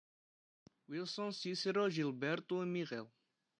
Wilson, Cícero, Gilberto e Miguel